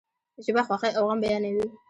ژبه خوښی او غم بیانوي.